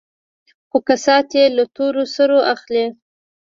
خو کسات يې له تور سرو اخلي.